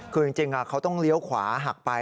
คือจริงเขาต้องเลี้ยวขวาหักไป